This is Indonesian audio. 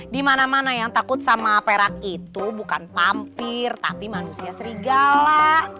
di mana mana yang takut sama perak itu bukan pampir tapi manusia serigala